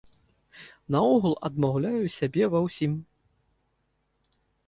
Наогул адмаўляю сябе ва ўсім.